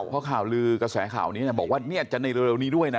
เพราะข่าวลือกระแสข่าวนี้บอกว่าเนี่ยจะในเร็วนี้ด้วยนะ